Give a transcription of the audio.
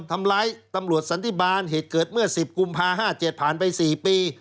ทำร้ายตำรวจสันติบาลเหตุเกิดเมื่อ๑๐กุมภา๕๗ผ่านไป๔ปี